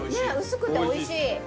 薄くておいしい。